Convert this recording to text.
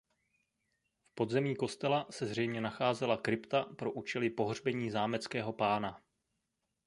V podzemí kostela se zřejmě nacházela krypta pro účely pohřbení zámeckého pána.